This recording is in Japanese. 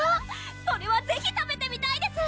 それはぜひ食べてみたいです！